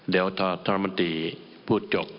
เดี๋ยวถ้าท่านรัฐมนตรีพูดจบ